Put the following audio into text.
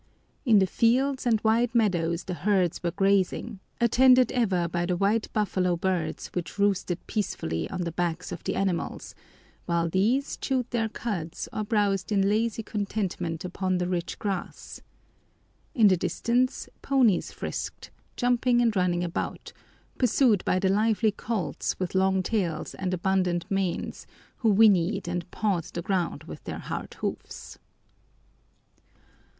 In the fields and wide meadows the herds were grazing, attended ever by the white buffalo birds which roosted peacefully on the backs of the animals while these chewed their cuds or browsed in lazy contentment upon the rich grass. In the distance ponies frisked, jumping and running about, pursued by the lively colts with long tails and abundant manes who whinnied and pawed the ground with their hard hoofs.